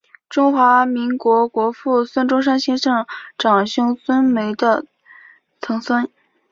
中华民国国父孙中山先生长兄孙眉的曾孙。